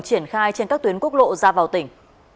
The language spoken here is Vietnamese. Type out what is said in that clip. triển khai trên các tuyến quốc lộ ra vào tỉnh